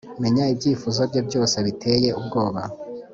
menya ibyifuzo bye byose biteye ubwoba